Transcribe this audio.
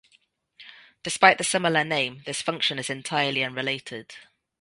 Despite the similar name, this function is entirely unrelated.